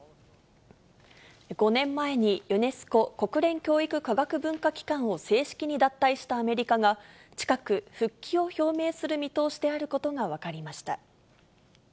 ５年前に、ユネスコ・国連教育科学文化機関を正式に脱退したアメリカが、近く、復帰を表明する見通しであることが分かりました。